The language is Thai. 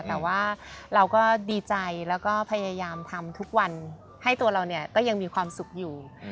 แต่ว่าเราก็ดีใจแล้วก็พยายามทำทุกวันให้ตัวเราเนี่ยก็ยังมีความสุขอยู่